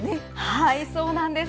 はい、そうなんです。